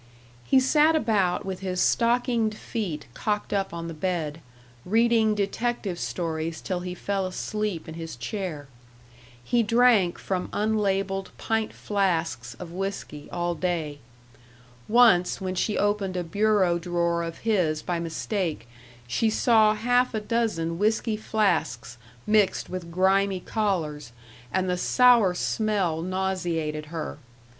He sat about with his stockinged feet cocked up on the bed, reading detective stories till he fell asleep in his chair. He drank from unlabeled pint flasks of whisky all day. Once, when she opened a bureau drawer of his by mistake, she saw half a dozen whisky flasks mixed with grimy collars, and the sour smell nauseated her.